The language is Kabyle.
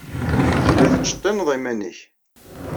Telliḍ tettceṭṭineḍ iman-nnek.